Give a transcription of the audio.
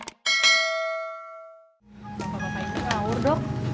bapak bapak ini ngaur dok